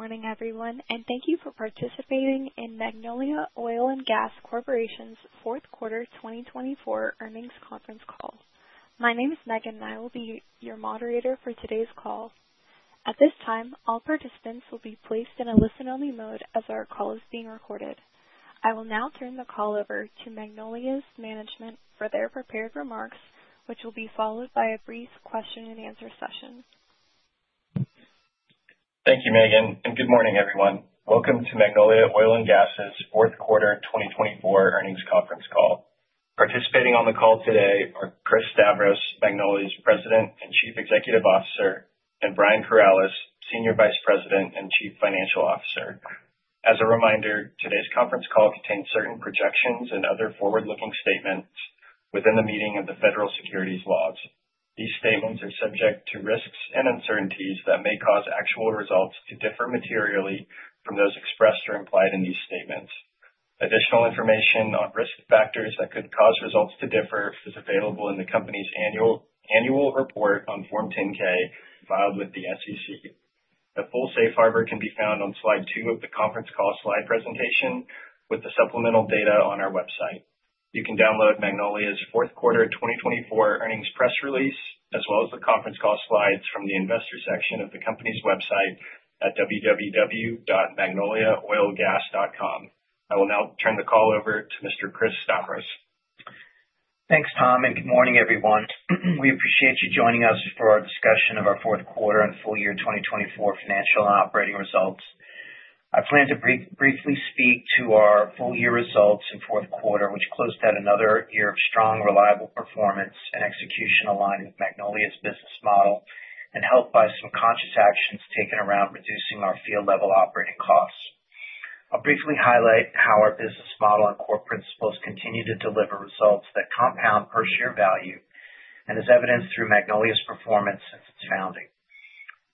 Good morning everyone and thank you for participating in Magnolia Oil & Gas Corporation's Fourth Quarter 2024 Earnings Conference Call. My name is Megan and I will be your moderator for today's call. At this time, all participants will be placed in a listen-only mode as our call is being recorded. I will now turn the call over to Magnolia's management for their prepared remarks which will be followed by a brief question and answer session. Thank you Megan and good morning everyone. Welcome to Magnolia Oil & Gas fourth quarter 2024 earnings conference call. Participating on the call today are Chris Stavros, Magnolia's President and Chief Executive Officer, and Brian Corales, Senior Vice President and Chief Financial Officer. As a reminder, today's conference call contains certain projections and other forward-looking statements within the meaning of the federal securities laws. These statements are subject to risks and uncertainties that may cause actual results to differ materially from those expressed or implied in these statements. Additional information on risk factors that could cause results to differ is available in the Company's Annual Report on Form 10-K. Filed with the SEC. The full safe harbor can be found on slide two of the conference call slide presentation with the supplemental data on our website. You can download Magnolia's fourth quarter 2024 earnings press release as well as the conference call slides from the investors section of the company's website at www.magnoliaoilgas.com. I will now turn the call over. to Mr. Chris Stavros. Thanks, Tom, and good morning, everyone. We appreciate you joining us for our discussion of our fourth quarter and full year 2024 financial and operating results. I plan to briefly speak to our full year results and fourth quarter, which closed out another year of strong, reliable performance and execution aligned with Magnolia's business model and helped by some conscious actions taken around reducing our field level operating costs. I'll briefly highlight how our business model and core principles continue to deliver results that compound per share value and, as evidenced through Magnolia's performance since its founding.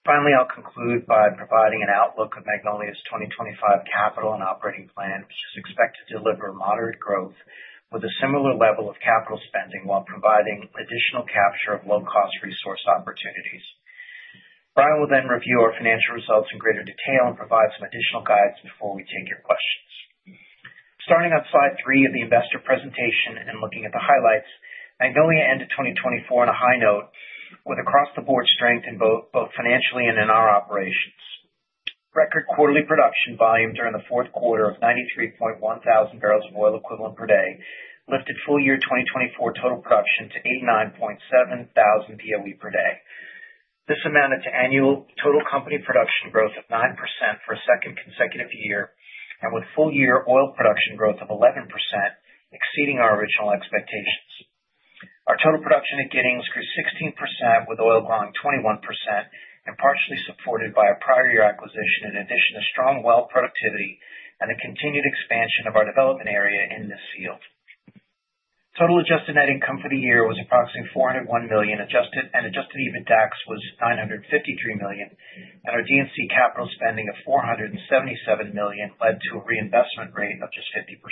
Finally, I'll conclude by providing an outlook of Magnolia's 2025 capital and operating plan, which is expected to deliver moderate growth with a similar level of capital spending while providing additional capture of low-cost resource opportunities. Brian will then review our financial results in greater detail and provide some additional guidance before we take your questions. Starting on slide three of the investor presentation and looking at the highlights, Magnolia ended 2024 on a high note with across the board strength both financially and in our. Record quarterly production volume during the 4Q 93.1 thousand barrels of oil equivalent per day lifted full year 2024 total production to 89.7 thousand BOE per day. This amounted to annual total company production growth of 9% for a second consecutive year and with full year oil production growth of 11% exceeding our original expectations, our total production at Giddings grew 16% with oil growing 21% and partially supported by a prior year acquisition. In addition to strong well productivity and the continued expansion of our development area in this field, total adjusted net income for the year was approximately $401 million and EBITDA was $953 million and our D&C capital spending of $477 million led to a reinvestment rate of just 50%.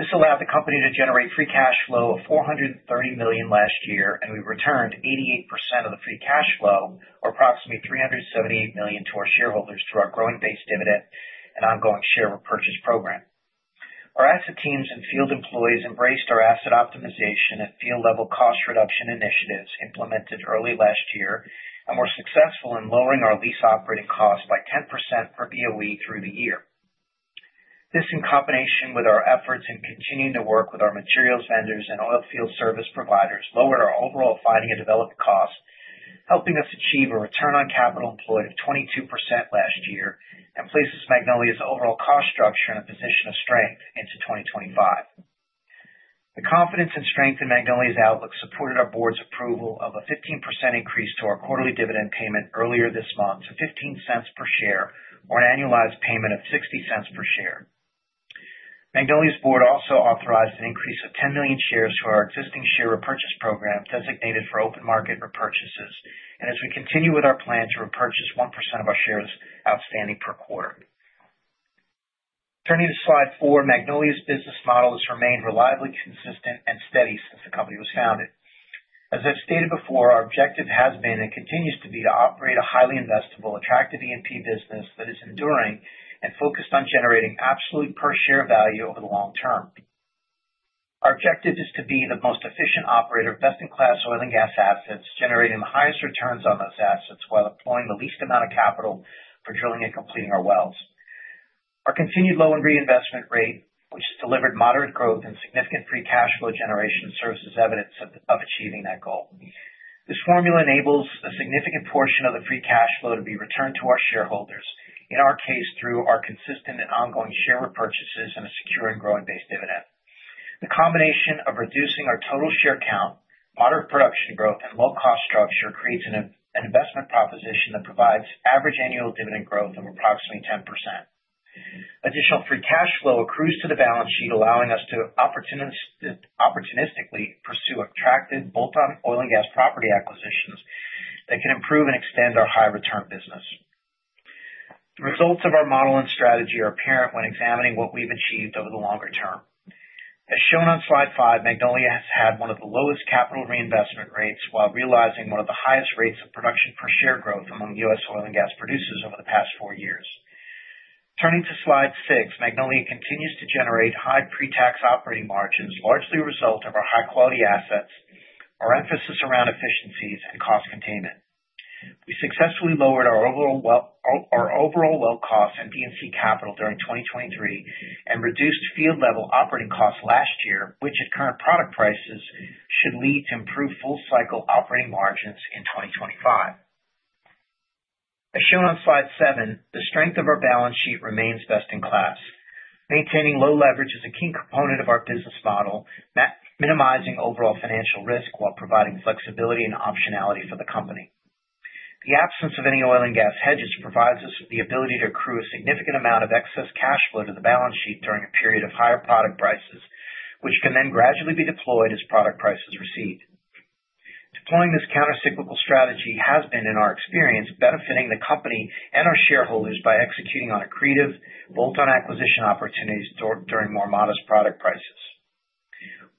This allowed the company to generate free cash flow of $430 million last year and we returned 88% of the free cash flow over or approximately $378 million to our shareholders through our growing base dividend and ongoing share repurchase program. Our asset teams and field employees embraced our asset optimization and field level cost reduction initiatives implemented early last year and were successful in lowering our lease operating costs by 10% per BOE through the year. This, in combination with our efforts in continuing to work with our materials vendors and oil field service providers, lowered our overall finding and development costs and helping us achieve a return on capital employed of 22% last year and places Magnolia's overall cost structure in a position of strength into 2025. The confidence and strength in Magnolia's outlook supported our board's approval of a 15% increase to our quarterly dividend payment earlier this month to $0.15 per share or an annualized payment of $0.60 per share. Magnolia's board also authorized an increase of 10 million shares to our existing share repurchase program designated for open market repurchases and as we continue with our plan to repurchase 1% of our shares outstanding per quarter. Turning to Slide 4, Magnolia's business model has remained reliably consistent and steady since the company was founded. As I've stated before, our objective has been and continues to be to operate a highly investable, attractive E&P business that is enduring and focused on generating absolute per share value over the long term. Our objective is to be the most efficient operator of best in class oil and gas assets, generating the highest returns on those assets while employing the least amount of capital for drilling and completing our wells. Our continued low reinvestment rate, which delivered moderate growth and significant free cash flow generation, serves as evidence of achieving that goal. This formula enables a significant portion of the free cash flow to be returned to our shareholders, in our case through our consistent and ongoing share repurchases and a secure and growing base dividend. The combination of reducing our total share count, moderate production growth and low cost structure creates an investment proposition that provides average annual dividend growth of approximately 10%. Additional free cash flow accrues to the balance sheet, allowing us to opportunistically pursue attractive bolt-on oil and gas property acquisitions that can improve and extend our high return business. The results of our model and strategy are apparent when examining what we've achieved over the longer term. As shown on Slide 5, Magnolia has had one of the lowest capital reinvestment rates while realizing one of the highest rates of production per share growth among U.S. oil and gas producers over the past four years. Turning to Slide 6, Magnolia continues to generate high pre-tax operating margins largely a result of our high quality assets, our emphasis around efficiencies and cost containment. We successfully lowered our overall well cost and D&C capital during 2023 and reduced field level operating costs last year which at current product prices should lead to improved full cycle operating margins in 2025. As shown on Slide 7, the strength of our balance sheet remains best in class. Maintaining low leverage is a key component of our business model, minimizing overall financial risk while providing flexibility and optionality for the company. The absence of any oil and gas hedges provides us with the ability to accrue a significant amount of excess cash flow to the balance sheet during a period of higher product prices which can then gradually be deployed as product prices recede. Deploying this countercyclical strategy has been in our experience, benefiting the company and our shareholders by executing on accretive bolt-on acquisition opportunities during more modest product prices.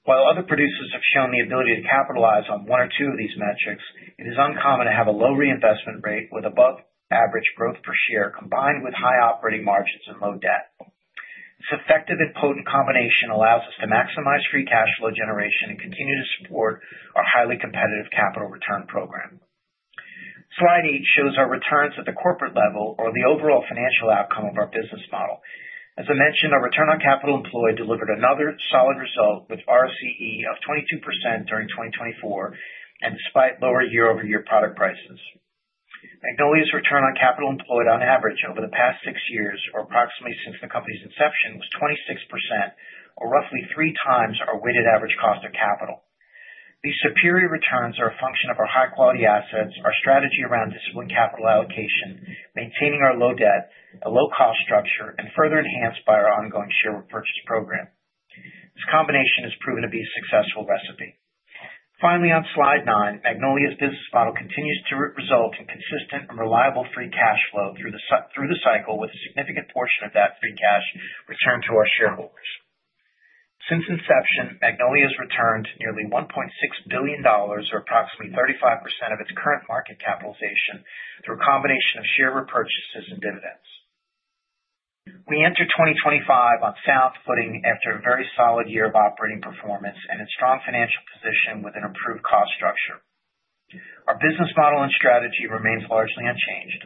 While other producers have shown the ability to capitalize on one or two of these metrics, it is uncommon to have a low reinvestment rate with above average growth per share combined with high operating margins and low debt. This effective and potent combination allows us to maximize free cash flow generation and continue to support our highly competitive capital return program. Slide 8 shows our returns at the corporate level or the overall financial outcome of our business model. As I mentioned, our return on capital employed delivered another solid result with ROCE of 22% during 2024 and despite lower year over year product prices, Magnolia's return on capital employed on average over the past six years or approximately since the company's inception was 26% or roughly three times our weighted average cost of capital. These superior returns are a function of our high quality assets, our strategy around disciplined capital allocation, maintaining our low debt, a low cost structure and further enhanced by our ongoing share repurchase program. This combination has proven to be a successful recipe. Finally, on Slide 9, Magnolia's business model continues to result in consistent and reliable free cash flow through the cycle, with a significant portion of that free cash returned to our shareholders. Since inception, Magnolia has returned nearly $1.6 billion or approximately 35% of its current market capitalization through a combination of share repurchases and dividends. We enter 2025 on sound footing after a very solid year of operating performance and a strong financial position. With an improved cost structure, our business model and strategy remains largely unchanged.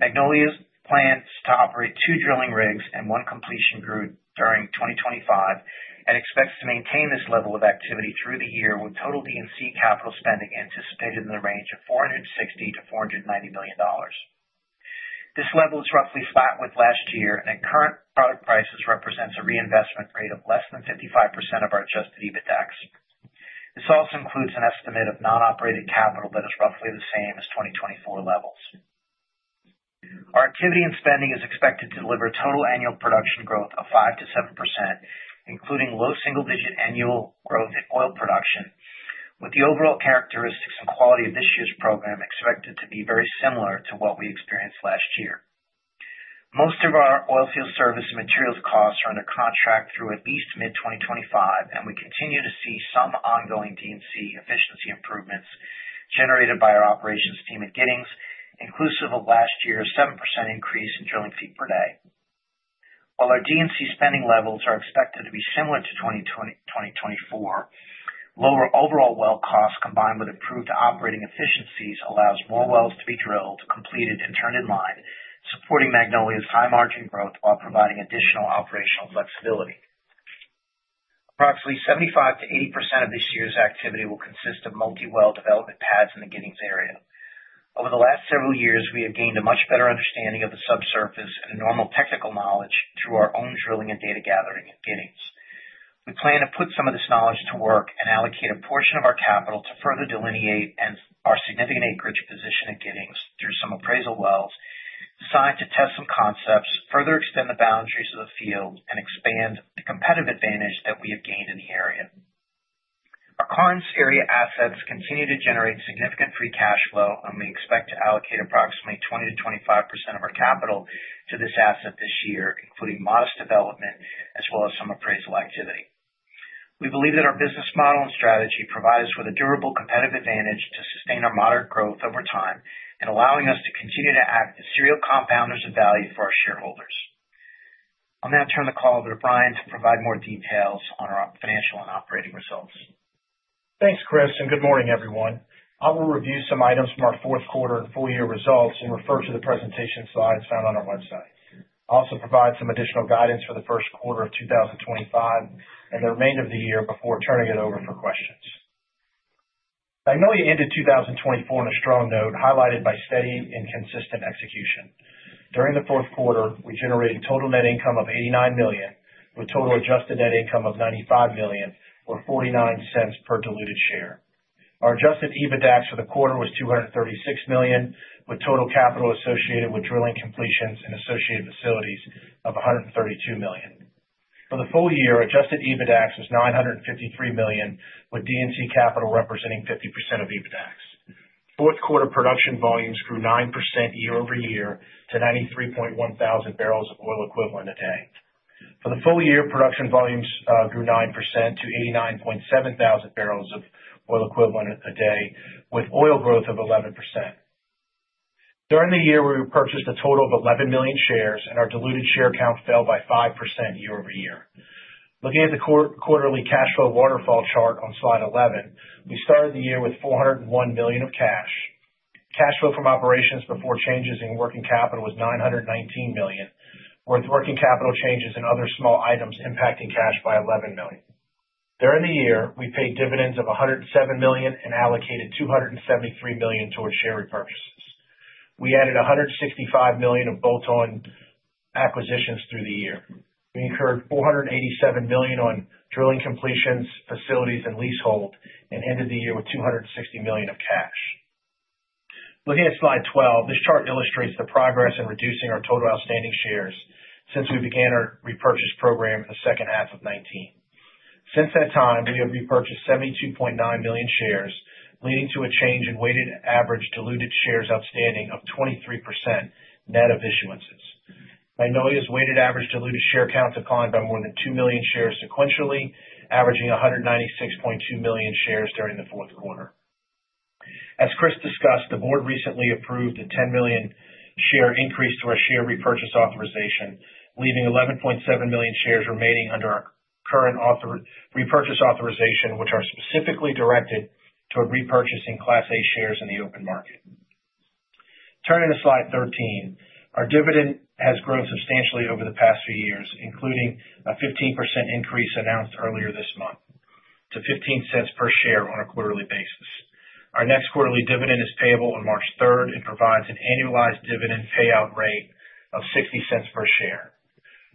Magnolia's plans to operate two drilling rigs and one completion group during 2025 and expects to maintain this level of activity through the year with total D&C capital spending anticipated in the range of $460 million-$490 million. This level is roughly flat with last year and at current product prices represents a reinvestment rate of less than 55% of our EBITDA. This also includes an estimate of non-operating capital that is roughly the same as 2024 levels. Our activity and spending is expected to deliver total annual production growth of 5% to 7%, including low single digit annual growth in oil production. With the overall characteristics and quality of this year's program expected to be very similar to what we experienced last year. Most of our oilfield service and materials costs are under contract through at least mid-2025 and we continue to see some ongoing D&C efficiency improvements generated by our operations team at Giddings and inclusive of last year's 7% increase in drilling feet per day. While our D&C spending levels are expected to be similar to 2024, lower overall well costs combined with improved operating efficiencies allows more wells to be drilled, completed and turned in line, supporting Magnolia's high margin growth while providing additional operational flexibility. Approximately 75%-80% of this year's activity will consist of multi well development pads in the Giddings area. Over the last several years we have gained a much better understanding of the subsurface and normal technical knowledge through our own drilling and data gathering at Giddings. We plan to put some of this knowledge to work and allocate a portion of our capital to further delineate our significant acreage position at Giddings through some appraisal wells designed to test some concepts, further extend the boundaries of the field and expand the competitive advantage that we have gained in the area. Our Karnes Area assets continue to generate significant free cash flow and we expect to allocate approximately 20%-25% of our capital to this asset this year, including modest development as well as some appraisal activity. We believe that our business model and strategy provide us with a durable competitive advantage to sustain our moderate growth over time and allowing us to continue to act as serial compounders of value for our shareholders. I'll now turn the call over to Brian to provide more details on our financial and operating results. Thanks Chris and good morning everyone. I will review some items from our fourth quarter and full year results and refer to the presentation slides found on our website. I'll also provide some additional guidance for the first quarter of 2025 and the remainder of the year before turning it over for questions. Magnolia ended 2024 on a strong note highlighted by steady and consistent execution. During the fourth quarter we generated total net income of $89 million with total adjusted net income of $95 million or $0.49 per diluted share. Our EBITDA for the quarter was $236 million with total capital associated with drilling completions and associated facilities of $132 million. For the full year Adjusted EBITDA was $953 million with D&C capital representing 50% of EBITDA. Fourth quarter production volumes grew 9% year over year to 93.1 thousand barrels of oil equivalent a day. For the full year, production volumes grew 9% to 89.7 thousand barrels of oil equivalent a day with oil growth of 11%. During the year, we repurchased a total of 11 million shares and our diluted share count fell by 5% year over year. Looking at the quarterly cash flow waterfall chart on Slide 11, we started the year with $401 million of cash. Cash flow from operations before changes in working capital was $919 million with orking capital changes and other small items impacting cash by $11 million. During the year, we paid dividends of $107 million and allocated $273 million towards share repurchases. We added $165 million of bolt-on acquisitions through the year. We incurred $487 million on drilling completions, facilities and leaseholds and ended the year with $260 million of cash. Looking at Slide 12, this chart illustrates the progress in reducing our total outstanding shares since we began our repurchase program in 2H 2019. Since that time we have repurchased 72.9 million shares, leading to a change in weighted average diluted shares outstanding of 23% net of issuances. Magnolia's weighted average diluted share count declined by more than two million shares sequentially and averaging 196.2 million shares during the fourth quarter. As Chris discussed, the board recently approved a 10 million share increase to our share repurchase authorization, leaving 11.7 million shares remaining under our current repurchase authorization which are specifically directed toward repurchasing Class A shares in the open market. Turning to Slide 13. Our dividend has grown substantially over the past few years, including a 15% increase announced earlier this month to $0.15 per share on a quarterly basis. Our next quarterly dividend is payable on March 3rd and provides an annualized dividend payout rate of $0.60 per share.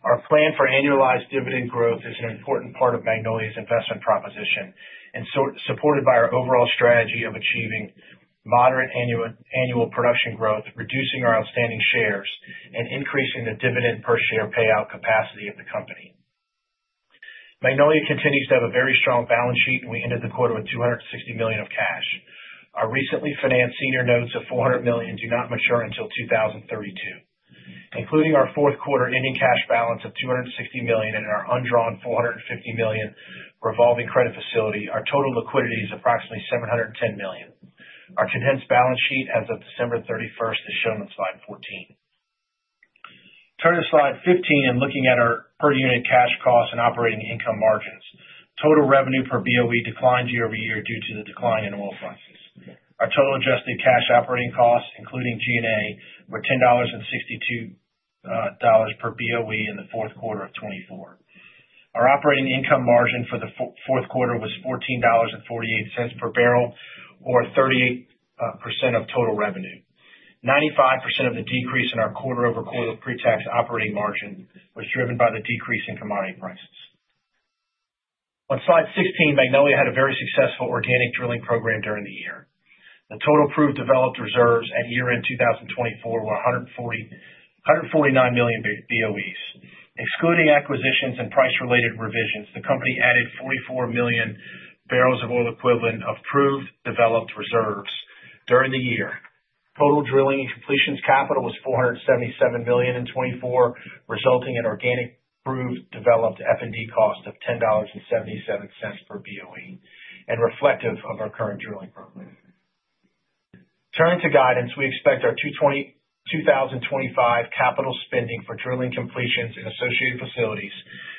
Our plan for annualized dividend growth is an important part of Magnolia's investment proposition and supported by our overall strategy of achieving moderate annual production growth, reducing our outstanding shares and increasing the dividend per share payout capacity of the company. Magnolia continues to have a very strong balance sheet and we ended the quarter with $260 million of cash. Our recently financed senior notes of $400 million do not mature until 2032. Including our fourth quarter ending cash balance of $260 million and our undrawn $450 million revolving credit facility, our total liquidity is approximately $710 million. Our condensed balance sheet as of December 31 is shown on Slide 14. Turning to Slide 15 and looking at our per unit cash cost and operating income margins. Total revenue per BOE declined year over year due to the decline in oil prices. Our total adjusted cash operating costs including G&A were $10.62 per BOE in 4Q24. Our operating income margin for the fourth quarter was $14.48 per barrel or 38% of total revenue. 95% of the decrease in our quarter over quarter pre-tax operating margin was driven by the decrease in commodity prices. On Slide 16, Magnolia had a very successful organic drilling program during the year. The total proved developed reserves at year end 2024 were 149 million BOEs. Excluding acquisitions and price related revisions, the company added 44 million barrels of oil equivalent of proved developed reserves during the year. Total drilling and completions capital was $477 million in 2024 resulting in organic proved developed F&D cost of $10.77 per BOE, and reflective of our current drilling program. Turning to guidance, we expect our 2025 capital spending for drilling completions and associated facilities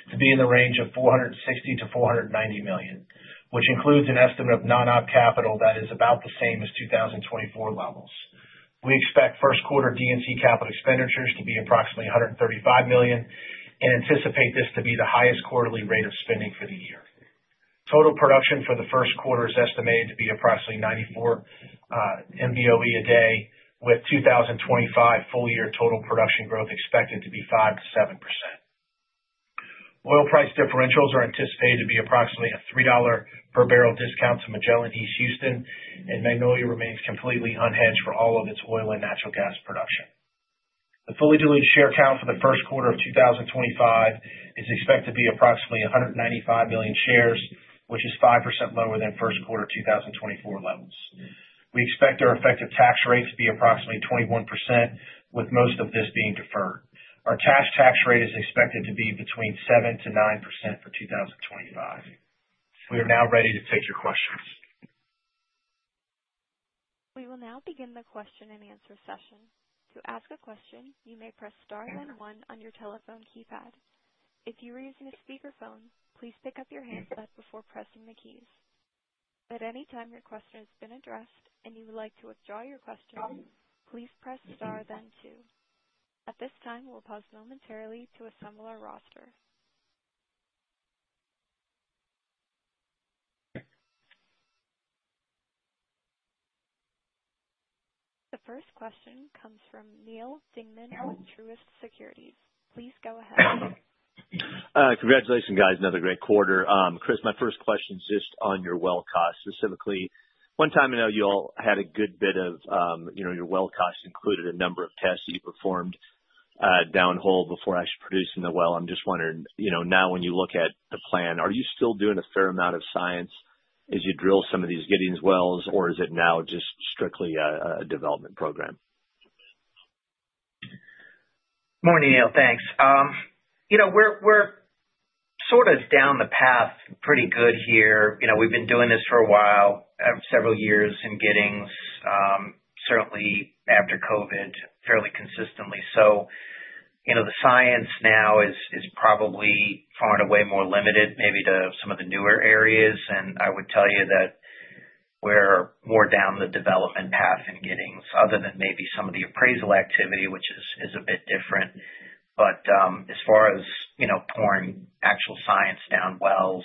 to be in the range of $460 million-$490 million, which includes an estimate of non-op capital that is about the same as 2024 levels. We expect first quarter D&C capital expenditures to be approximately $135 million and anticipate this to be the highest quarterly rate of spending for the year. Total production for the first quarter is estimated to be approximately 94 Mboe a day. With 2025 full year total production growth expected to be 5%-7%. Oil price differentials are anticipated to be approximately a $3 per barrel discount to Magellan East Houston and Magnolia remains completely unhedged for all of its oil and natural gas production. The fully diluted share count for the first quarter of 2025 is expected to be approximately 195 million shares, which is 5% lower than first quarter 2024 levels. We expect our effective tax rates to be approximately 21% with most of this being deferred. Our cash tax rate is expected to be between 7%-9% for 2025. We are now ready to take your questions. We will now begin the question and answer session. To ask a question, you may press star then one on your telephone keypad. If you are using a speakerphone, please pick up your handset before pressing the keys. At any time your question has been addressed and you would like to withdraw your question, please press star then two. At this time we'll pause momentarily to assemble our roster. The first question comes from Neal Dingmann with Truist Securities. Please go ahead. Congratulations guys. Another great quarter. Chris, my first question is just on your well cost, specifically one-time. I know you all had a good bit of your well cost included a number of tests that you performed downhole before actually producing the well. I'm just wondering now, when you look at the plan, are you still doing a fair amount of science as you drill some of these Giddings wells or is it now just strictly a development program? Morning, Neal. Thanks. We're sort of down the path pretty good here. We've been doing this for a while, several years in Giddings, certainly after COVID fairly consistently. So, you know, the science now is probably far and away more limited maybe to some of the newer areas. And I would tell you that we're more down the development path in Giddings other than maybe some of the appraisal activity, which is a bit different. But as far as, you know, pouring actual science down wells,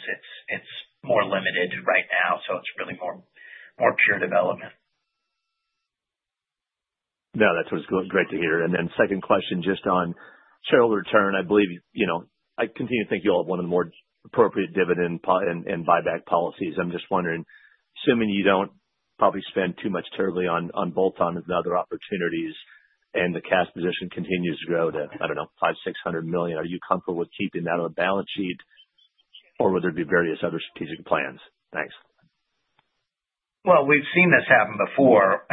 it's more limited right now. So it's really more pure development. No, that's what's great to hear. And then second question, just on shareholder return, I believe. I continue to think you'll have one of the more appropriate dividend and buyback policies. I'm just wondering, assuming you don't probably spend too much terribly on bolt-on and other opportunities and the cash position continues to grow to, I don't know, $5.6 billion, are you comfortable with keeping that on the balance sheet or would there be various other strategic plans? Thanks. Well, we've seen this happen before,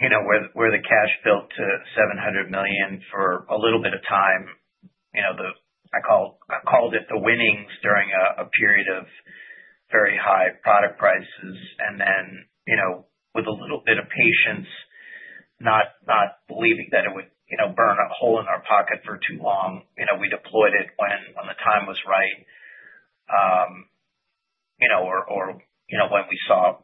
you know, where the cash built to $700 million for a little bit of time. I called it the winnings during a period of very high product prices. And then with a little bit of patience, not believing that it would burn a hole in our pocket for too long, we deployed it when the time was right. You know, when we saw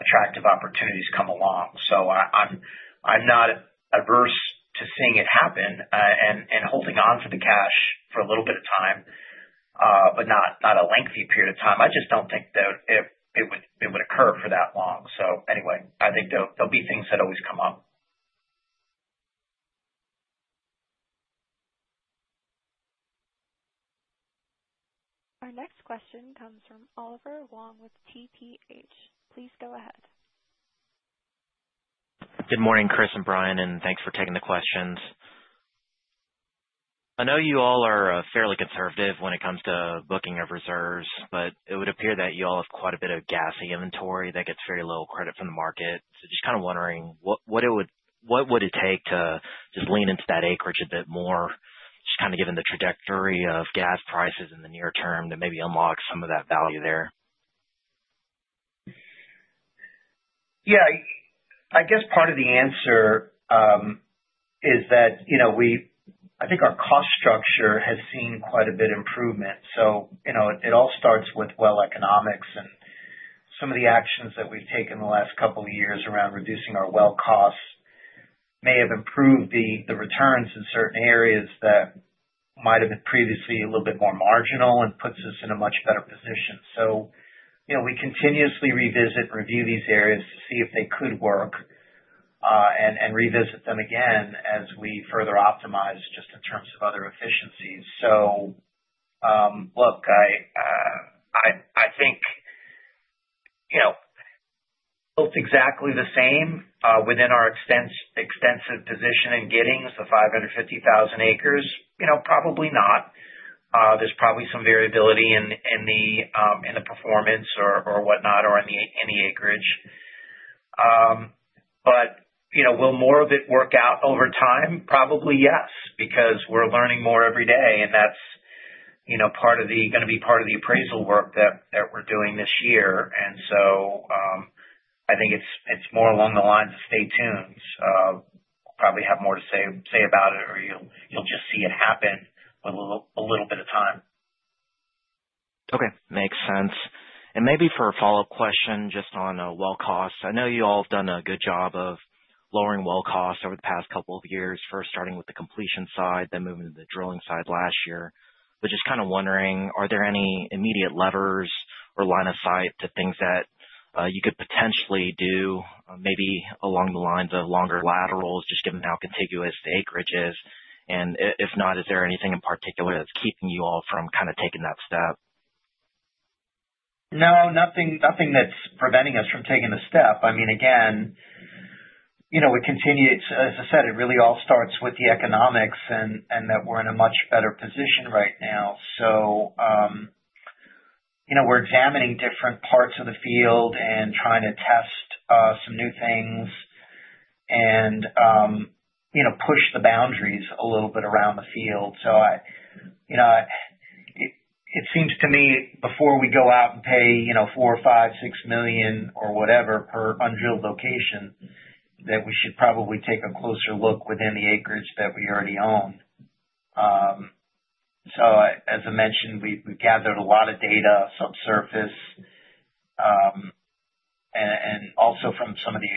attractive opportunities come along. So I'm not averse to seeing it happen and holding on to the cash for a little bit of time but not a lengthy period of time. I just don't think that it would occur for that long. So anyway, I think there'll be things that always come up. Our next question comes from Oliver Huang with TPH. Please go ahead. Good morning, Chris and Brian, and thanks for taking the questions. I know you all are fairly conservative when it comes to booking of reserves, but it would appear that you all have quite a bit of gassy inventory that gets very little credit from the market. So just kind of wondering what would it take to just lean into that acreage a bit more, just kind of given the trajectory of gas prices in the near term to maybe unlock some of that value there? Yeah, I guess part of the answer is that, you know, we, I think our cost structure has seen quite a bit improvement. So you know, it all starts with, well, economics and some of the actions that we've taken the last couple of years around reducing our, well, costs may have improved the returns in certain areas that might have been previously a little bit more marginal and puts us in a much better position. So, you know, we continuously revisit, review these areas to see if they could work and revisit them again as we further optimize just in terms of other efficiencies. So look,I think, you know, exactly the same within our extensive position in Giddings, the 550,000 acres, you know, probably not. There's probably some variability in the performance or whatnot or in the acreage. But you know, will more of it work out over time? Probably, yes, because we're learning more every day and that's, you know, part of the going to be part of the appraisal work that we're doing this year, and so I think it's more along the lines of stay tuned, probably have more to say about it, or you'll just see it happen with a little bit of time. Okay, makes sense. And maybe for a follow up question just on well costs, I know you all have done a good job of lowering well costs over the past couple of years, first starting with the completion side, then moving to the drilling side last year. But just kind of wondering, are there any immediate levers or line of sight to things that you could potentially do, maybe along the lines of longer laterals just given how contiguous the acreage is and if not, is there anything in particular that's keeping you all from kind of taking that step? No, nothing that's preventing us from taking a step. I mean, again. It continues, as I said, it really all starts with the economics and that we're in a much better position right now You know, we're examining different parts of the field and trying to test some new things and you know, push the boundaries a little bit around the field. So, you know, it seems to me before we go out and pay, you know, $4-$6 million or whatever per undrilled location that we should probably take a closer look within the acreage that we already own. So as I mentioned, we gathered a lot of data subsurface. And also from some of the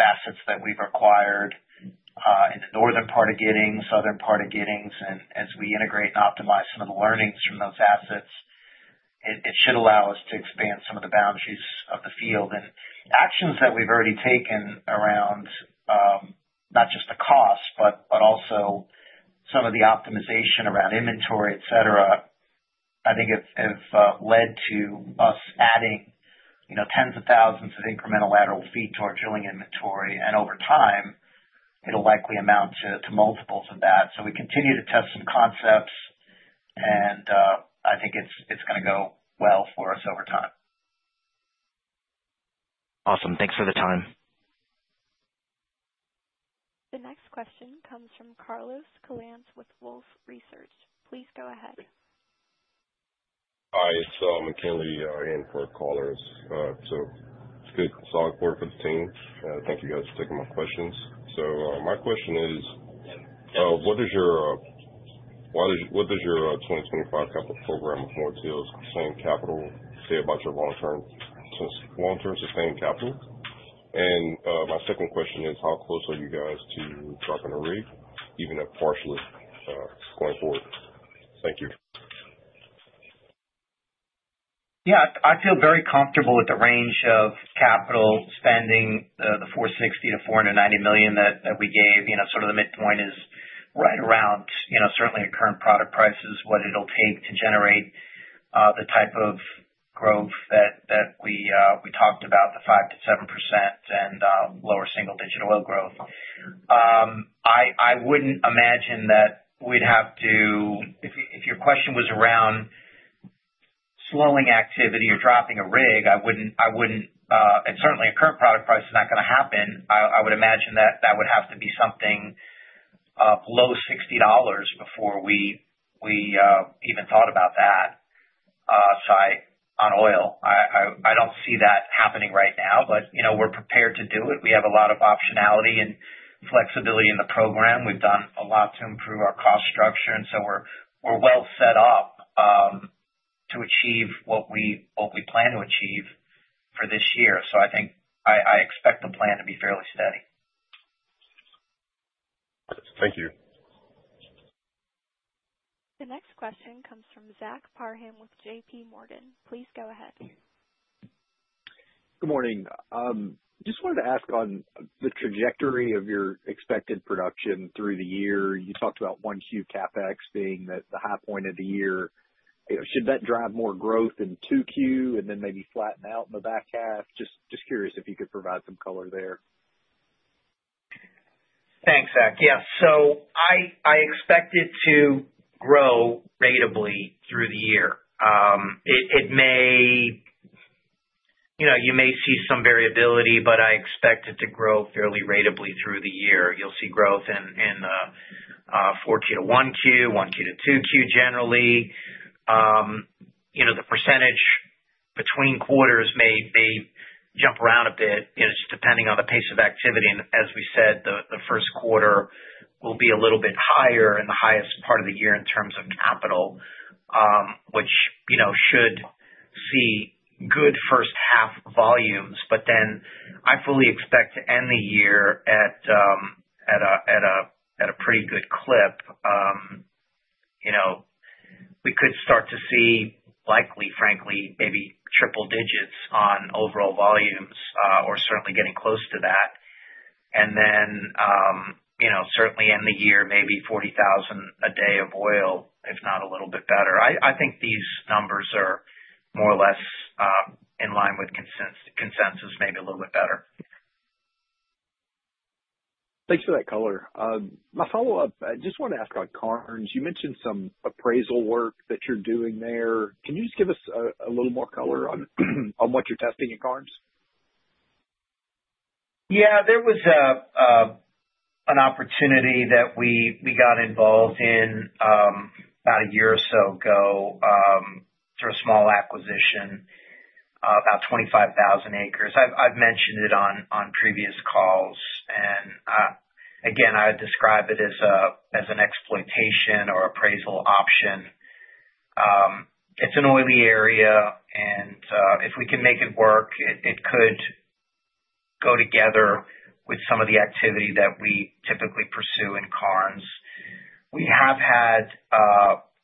assets that we've acquired in the northern part of Giddings, southern part of Giddings, and as we integrate and optimize some of the learnings from those assets, it should allow us to expand some of the boundaries of the field and actions that we've already taken around. Not just the cost but also some of the optimization around inventory, et cetera, I think, have led to us adding tens of thousands of incremental lateral feet to our drilling inventory, and over time it'll likely amount to multiples of that, so we continue to test some concepts and I think it's going to go well for us over time. Awesome. Thanks for the time. The next question comes from Carlos with Wolfe Research. Please go ahead. Hi, it's McKinley in for Carlos, so good solid quarter for the team. Thank you guys for taking my questions. So my question is what does your 2025 capital program of more or less same capital say about your long term, long term sustained capital? And my second question is how close are you guys to dropping a rig even if partially going forward. Thank you. Yeah, I feel very comfortable with the range of capital spending. The $460 million-$490 million that we gave, you know, sort of the midpoint is right around, you know, certainly at current product prices what it'll take to generate the type of growth that we talked about, the 5%-7% and lower single digit oil growth. I wouldn't imagine that we'd have to. If your question was around. Slowing activity or dropping a rig, I wouldn't. And certainly a current product price is not going to happen. I would imagine that would have to be something below $60 before we even thought about that side on oil. I don't see that happening right now, but you know, we're prepared to do it. We have a lot of optionality and flexibility in the program. We've done a lot to improve our cost structure and so we're well set up to achieve what we plan to achieve for this year, so I think I expect the plan to be fairly steady. Thank you. The next question comes from Zach Parham with JPMorgan. Please go ahead. Good morning. Just wanted to ask on the trajectory of your expected production through the year, you talked about 1Q CapEx being the high point of the year. Should that drive more growth in 2Q and then maybe flatten out in the back half? Just curious if you could provide some color there. Thanks, Zach. Yes, so I expect it to grow ratably through the year. It may you know, you may see some variability, but I expect it to grow fairly ratably through the year. You'll see growth in 4Q to 1Q, 1Q to 2Q generally. You know, the percentage between quarters may jump around a bit just depending on the pace of activity. As we said, the first quarter, Will be a little bit higher in the highest part of the year in terms of capital, which should see good first half volumes. But then I fully expect to end the year at a pretty good clip. You know, we could start to see likely, frankly maybe triple digits on overall volumes or certainly getting close to that and then you know, certainly end the year maybe 40,000 a day of oil, if not a little bit better. I think these numbers are more or less in line with consensus, maybe a little bit better. Thanks for that color. My follow up, I just want to ask on Karnes, you mentioned some appraisal work that you're doing there. Can you just give us a little more color on what you're testing at Karnes? Yeah, there was an opportunity that we got involved in about a year or so ago through a small acquisition, about 25,000 acres. I've mentioned it on previous calls and again, I would describe it as an exploitation or appraisal option. It's an oily area and if we can make it work, it could go together with some of the activity that we typically pursue in Karnes. We have had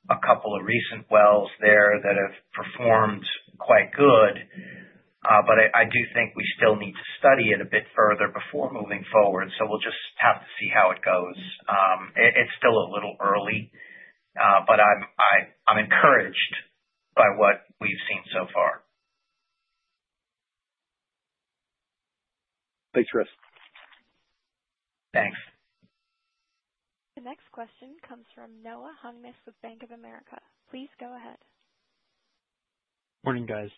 a couple of recent wells there that have performed quite good, but I do think we still need to study it a bit further before moving forward, so we'll just have to see how it goes. It's still a little early, but I'm encouraged by what we've seen so far. Thanks, Chris. Thanks. The next question comes from Noah Hungness with Bank of America. Please go ahead. Morning, guys.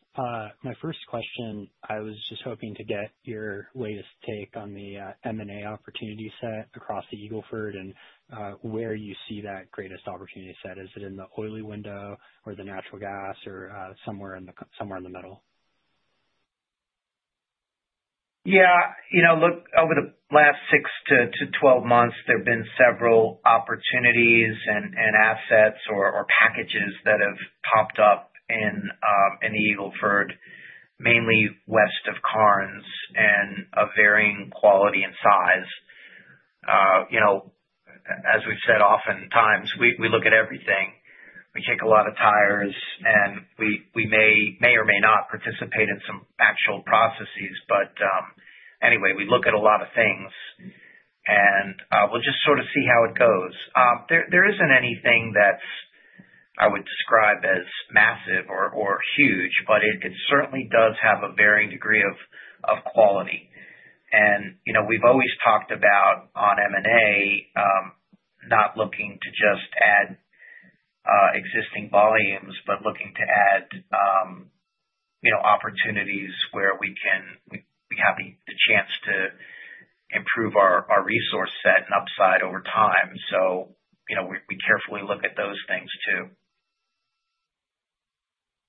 My first question, I was just hoping to get your latest take on the M&A opportunity set across the Eagle Ford. And where you see that greatest opportunity set, is it in the oil window or the natural gas or somewhere in the middle? Yeah. You know, look, over the last six to 12 months, there have been several opportunities and assets or packages that have popped up in the Eagle Ford, mainly west of Karnes and of varying quality and size. You know, as we've said, oftentimes we look at everything. We kick a lot of tires and we may or may not participate in some actual processes, but anyway, we look at a lot of things and we'll just sort of see how it goes. There isn't anything that I would describe as massive or huge, but it certainly does have a varying degree of quality. And, you know, we've always talked about, on M&A, not looking to just add existing volumes, but looking to add, you know, opportunities where we can have the chance to improve our resource set and upside over time. So, you know, we carefully look at those things too.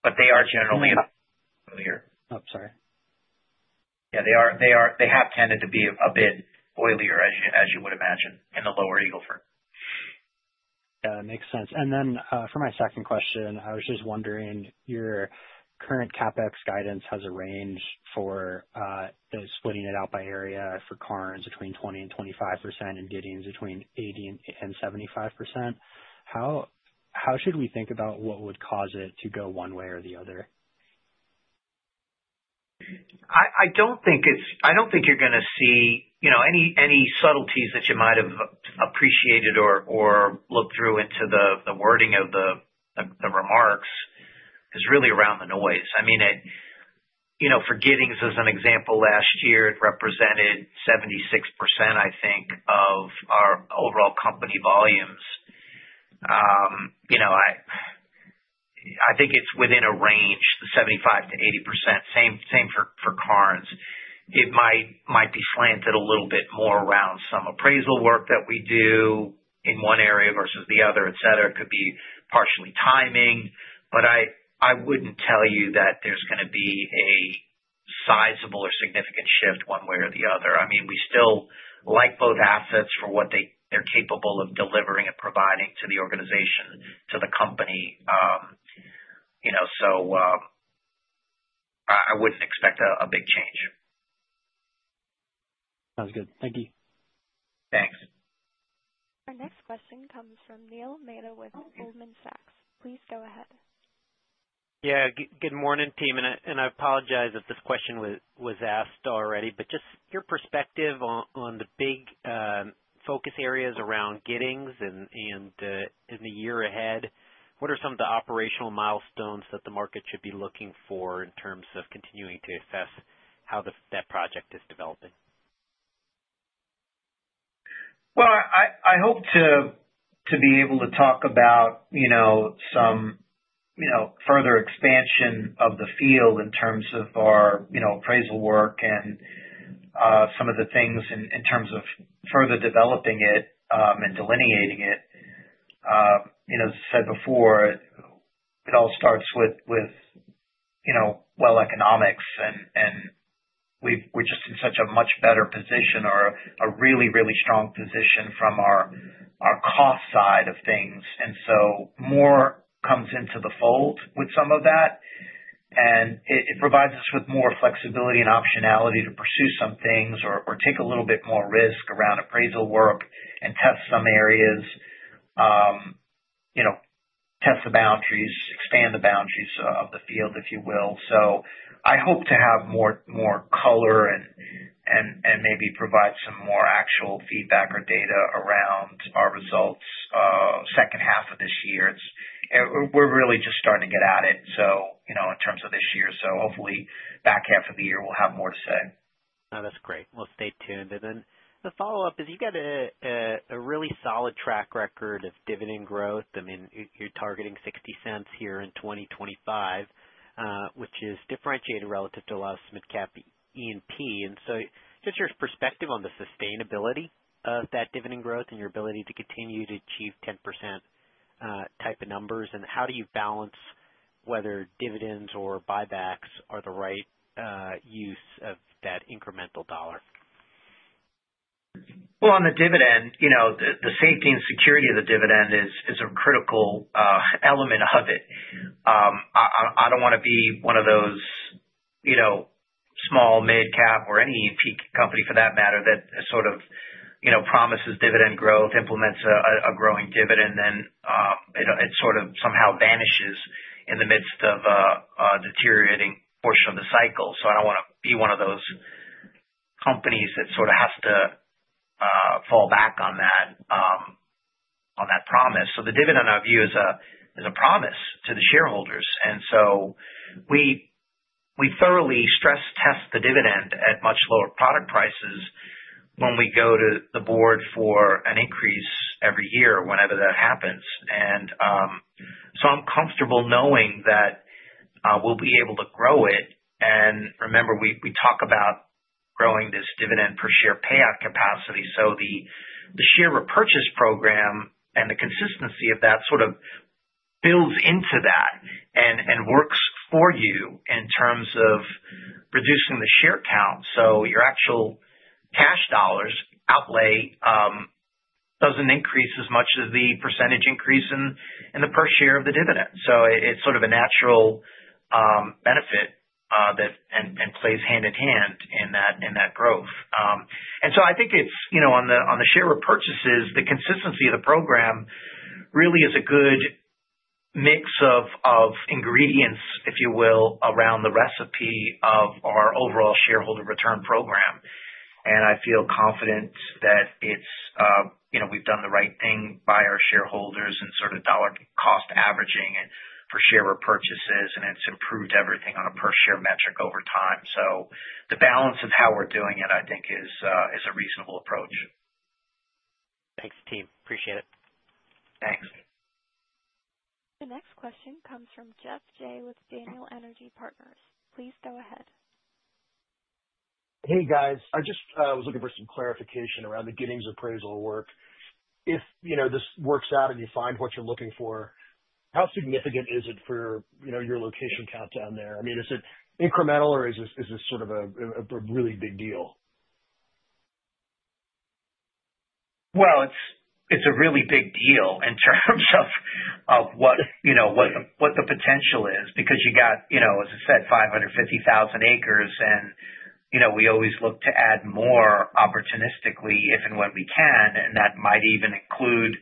But they are generally- Oh, sorry. yes, they are, they are. They have tended to be a bit oilier, as you would imagine, in the lower Eagle Ford. Makes sense. And then for my second question, I was just wondering, your current CapEx guidance has a range for splitting it out by area for Karnes, between 20 and 25% and Giddings between 80 and 75%. How should we think about what would? Cause it to go one way or the other? I don't think you're going to see, you know, any subtleties that you might have appreciated or looked through into the wording of the remarks is really around the noise. I mean, you know, for Giddings, as an example, last year it represented 76%, I think, of our overall company volumes. You know, I think it's within a range, the 75%-80%, same for Karnes. It might be slanted a little bit more around some appraisal work that we do in one area versus the other, etc. It could be partially timing, but I wouldn't tell you that there's going to be a sizable or significant shift one way or the other. I mean, we still like both assets for what they're capable of delivering and providing to the organization, to the company. You know, so I wouldn't expect a big change. Sounds good. Thank you. Thanks. Our next question comes from Neil Mehta with Goldman Sachs. Please go ahead. Yeah, good morning team, and I apologize if this question was asked already, but just your perspective on the big focus areas around Giddings and in the year ahead, what are some of the operational milestones that the market should be looking for in terms of continuing to assess how that project is developing? I hope to be able to talk about some further expansion of the field in terms of our appraisal work and some of the things in terms of further developing it and delineating it. You know, as I said before, it all starts with, you know, well, economics and we're just in such a much better position or a really, really strong position from our cost side of things, and so more comes into the fold with some of that and it provides us with more flexibility and optionality to pursue some things or take a little bit more risk around appraisal work and test some areas. You know, test the boundaries, expand the boundaries of the field, if you will. So I hope to have more color and maybe provide some more actual feedback or data around our results. Second half of this year we're really just starting to get at it in terms of this year. So hopefully back half of the year we'll have more to say. That's great. Well, stay tuned. And then the follow up is you've got a really solid track record of dividend growth. You're targeting $0.60 here in 2025, which is differentiated relative to a lot of SMID Cap E&P. And so just your perspective on the sustainability of that dividend growth and your ability to continue to achieve 10%-type of numbers. And how do you balance whether dividends or buybacks are the right use of that incremental dollar? On the dividend, the safety and security of the dividend is a critical element of it. I don't want to be one of those. Small- or mid-cap or any E&P company for that matter. That sort of promises dividend growth, implements a growing dividend, then it sort of somehow vanishes in the midst of deteriorating portion of the cycle. So I don't want to be one of those companies that sort of has to fall back on that, on that promise. So the dividend I view is a, is a promise to the shareholders. And so we thoroughly stress test the dividend at much lower product prices when we go to the board for an increase every year, whenever that happens. And so I'm comfortable knowing that we'll be able to grow it. And remember, we talk about growing this dividend per share payout capacity. So the share repurchase program and the consistency of that sort of builds into that and works for you in terms of reducing the share count. Your actual cash dollars outlay. Increase as much as the percentage increase in the per share of the dividend. So it's sort of a natural benefit and plays hand in hand in that growth. And so I think it's, you know, on the share repurchases, the consistency of the program really is a good mix of ingredients, if you will, around the recipe of our overall shareholder return program. And I feel confident that it's, we've done the right thing by our shareholders and sort of dollar cost averaging for share repurchases and it's improved everything on a per share metric over time. So the balance of how we're doing it I think is a reasonable approach. Thanks team. Appreciate it. Thanks. The next question comes from Geoff Jay with Daniel Energy Partners. Please go ahead. Hey guys, I just was looking for some clarification around the Giddings appraisal work. If this works out and you find what you're looking for, how significant is it for your location countdown there? I mean, is it incremental or is this sort of a really big deal? It's a really big deal in terms of what the potential is because you got, as I said, 550,000 acres and we always look to add more opportunistically if and when we can, and that might even include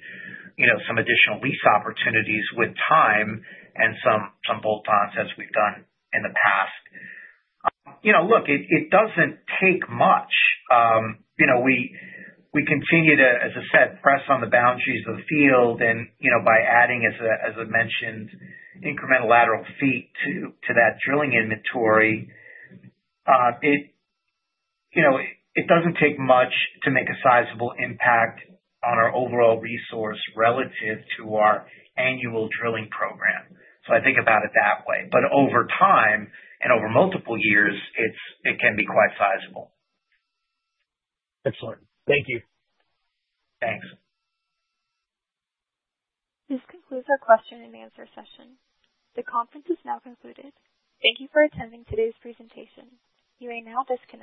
some additional lease opportunities with time and some bolt-ons as we've done in the past. Look, it doesn't take much we continue to, as I said, press on the boundaries of the field, and by adding, as I mentioned, incremental lateral feet to that drilling inventory. It doesn't take much to make a sizable impact on our overall resource relative to our annual drilling program. So I think about it that way. But over time and over multiple years, it can be quite sizable. Excellent. Thank you. Thanks. This concludes our question and answer session. The conference is now concluded. Thank you for attending today's presentation. You may now disconnect.